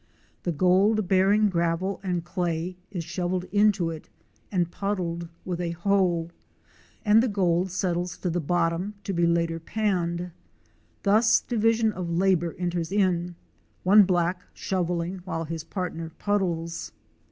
The gold bearing gravel and clay is shovelled into it and pud dled with a hoe, and the gold settles to the bottom to be later panned. Thus division of labor enters in—one_ black shovelling while his partner puddles.